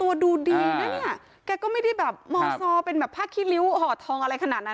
แต่งตัวดูดีนะเนี้ยแกก็ไม่ได้แบบครับมองซอเป็นแบบผ้าขี้ริ้วหอดทองอะไรขนาดนั้น